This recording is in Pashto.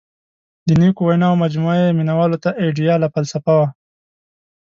• د نیکو ویناوو مجموعه یې مینوالو ته آیډیاله فلسفه وه.